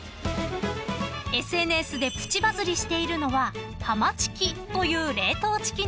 ［ＳＮＳでプチバズりしているのはハマチキという］